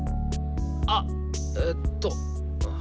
あっえっと。